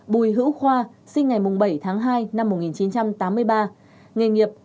bùi hữu khoa sinh ngày bảy tháng hai năm một nghìn chín trăm tám mươi ba nghề nghiệp